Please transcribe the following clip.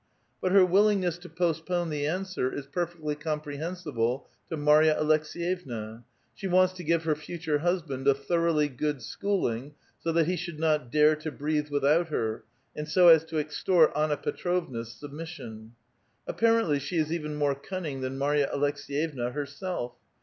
But her willingness to ])ostpone the answer is perfectly com prehensible to IMarya Aleks^yevna. She wants to give her future husband a thoroughly good schooling, so that he should not dare to breatlui without her, and so as to extort Anna Petrovna's submission. Apparently she is even more cun ning than 3Iarya Aleks<^»vevna herself.